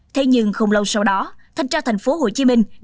thế nhưng không lâu sau đó thành trang thành phố hồ chí minh